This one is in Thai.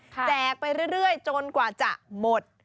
แจกไปเรื่อยจนกว่าจะหมด